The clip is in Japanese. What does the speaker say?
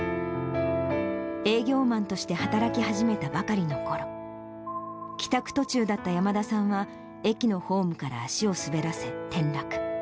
営業マンとして働き始めたばかりのころ、帰宅途中だった山田さんは、駅のホームから足を滑らせ転落。